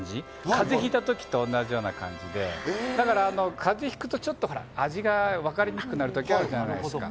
風邪をひいたとき時と同じような感じで、風邪ひくとちょっと味がわかりにくくなる時があるじゃないですか。